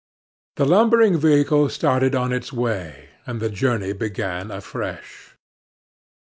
The lumbering vehicle started on its way, and the journey began afresh.